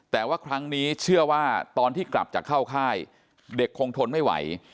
แต่ว่าครั้งนี้เชื่อว่าตอนที่กลับจากเข้าค่ายเด็กคงทนไม่ไหว